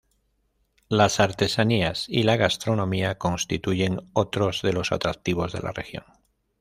Las artesanías y la gastronomía constituyen otros de los atractivos de la región.